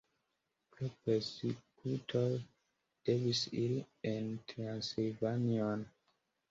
Pro persekutoj li devis iri en Transilvanion.